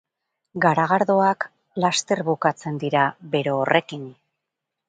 Garagardoak laster bukatzen dira bero horrekin.